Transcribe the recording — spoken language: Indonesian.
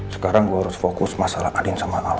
sekarang gue harus fokus masalah adin sama a